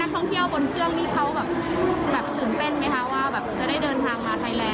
ท่องเที่ยวบนเครื่องนี่เขาแบบตื่นเต้นไหมคะว่าแบบจะได้เดินทางมาไทยแลน